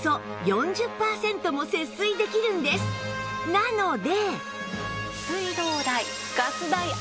なので